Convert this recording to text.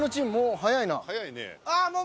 早いね。